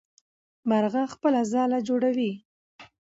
مرغه خپله ځاله جوړوي.